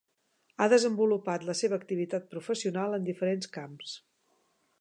Ha desenvolupat la seva activitat professional en diferents camps.